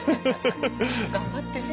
頑張ってね。